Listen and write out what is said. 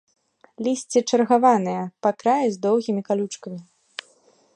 Лісце чаргаванае, па краі з доўгімі калючкамі.